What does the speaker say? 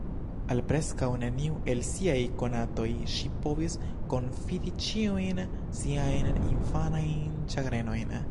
Al preskaŭ neniu el siaj konatoj ŝi povis konfidi ĉiujn siajn infanajn ĉagrenojn.